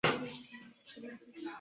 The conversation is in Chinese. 滇糙叶树为榆科糙叶树属的植物。